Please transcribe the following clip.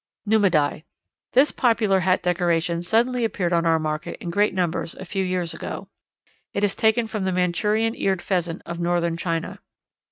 Numidie. This popular hat decoration suddenly appeared on our market in great numbers a few years ago. It is taken from the Manchurian Eared Pheasant of northern China.